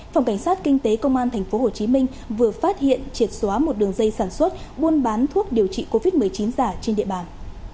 phòng cảnh sát kinh tế công an tp hcm vừa phát hiện triệt xóa một đường dây sản xuất buôn bán thuốc điều trị covid một mươi chín giả trên địa bàn